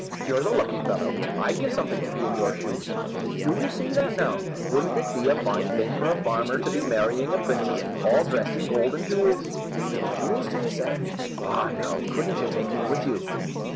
"You're the lucky fellow. I'd give something to be in your shoes." "Do you see that now! Wouldn't it be a fine thing for a farmer to be marrying a princess, all dressed in gold and jewels?" "Jewels, do you say? Ah, now, couldn't you take me with you?"